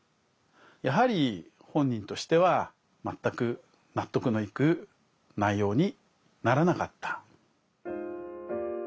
やはり本人としては全く納得のいく内容にならなかった。